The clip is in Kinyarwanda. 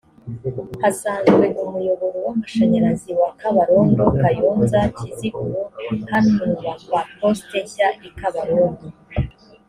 hasanwe umuyoboro w amashanyarazi wa kabarondo kayonza kiziguro hanubakwa poste nshya i kabarondo